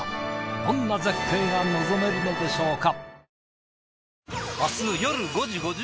どんな絶景が望めるのでしょうか。